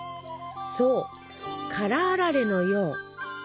そう「辛あられ」のよう。